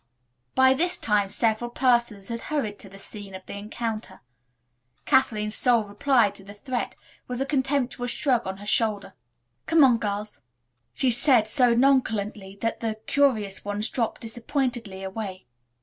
By this time several persons had hurried to the scene of the encounter. Kathleen's sole reply to the threat was a contemptuous shrug of her shoulders. "Come on, girls," she said so nonchalantly that the curious ones dropped disappointedly away.